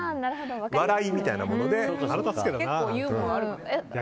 笑いみたいなもので。